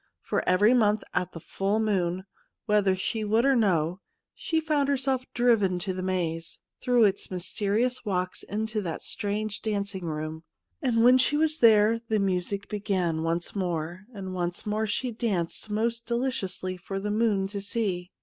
For every month at the full moon, whether she would or no, she found herself driven to the maze, through its mysterious walks into that strange dancing room. And when she was there the music began once more, and once more she danced most deliciously for the moon to see.